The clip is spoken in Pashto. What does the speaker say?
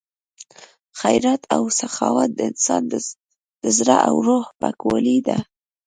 خیرات او سخاوت د انسان د زړه او روح پاکوالی دی.